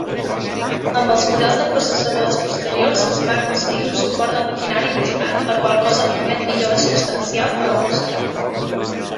Amb els models de processadores posteriors es va aconseguir un suport de maquinari més gran, la qual cosa permet millores substancials de la velocitat.